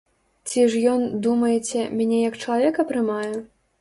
Ці ж ён, думаеце, мяне як чалавека прымае?